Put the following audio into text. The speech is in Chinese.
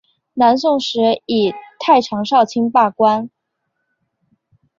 南宋时以太常少卿罢官。